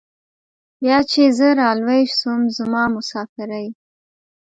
بيا چې زه رالوى سوم زما مسافرۍ.